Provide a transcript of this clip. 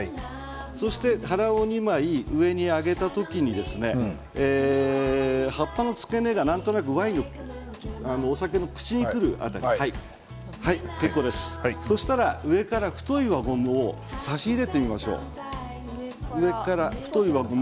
ハランを２枚上に上げた時葉っぱの付け根がなんとなくワインのお酒の口にくる辺りそうしたら上から太い輪ゴムを挿し入れてみましょう。